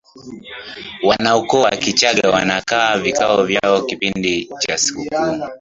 wanaukoo wa kichaga wanakaa vikao vyao kipindi cha sikukuu